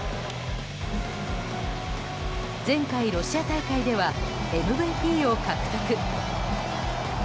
前回、ロシア大会ではＭＶＰを獲得。